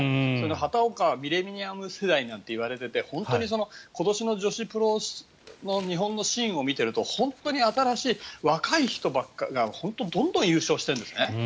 畑岡ミレニアム世代なんていわれてて本当に今年の女子プロの日本のシーンを見ていると本当に新しい若い人ばかりがどんどん優勝してるんですね。